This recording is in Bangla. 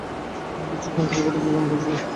তিনি বিচক্ষণ কিছু পদক্ষেপ গ্রহণ করেছিলেন।